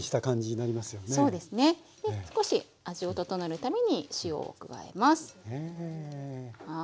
少し味を調えるために塩を加えます。